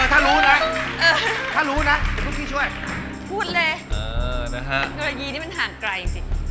ถ้ารู้นะเดี๋ยวพวกพี่ช่วย